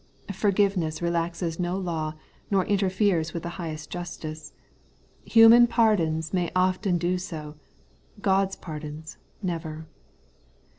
Forgiveness relaxes no law, nor interferes with the highest justice. Human pardons may often do so ; God's pardons never.